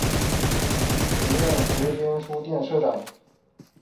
曾任德间书店社长。